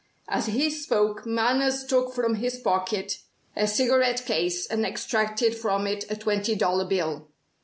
As he spoke, Manners took from his pocket a cigarette case and extracted from it a twenty dollar bill.